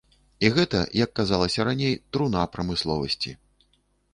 І гэта, як казалася раней, труна прамысловасці.